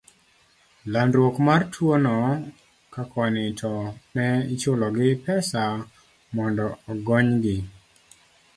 landruok mar tuwono, ka koni to ne ichulogi pesa mondo ogonygi.